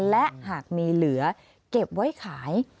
และหากมีเหลือเก็บไว้ขาย